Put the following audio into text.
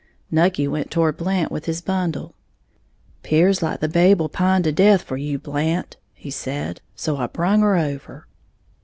Nucky went toward Blant with his bundle. "'Pears like the babe will pine to death for you, Blant," he said, "so I brung her over."